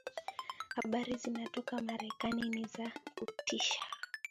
habari zinazotoka Marekani ni za kutisha